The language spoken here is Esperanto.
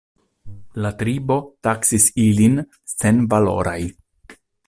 La tribo taksis ilin senvaloraj.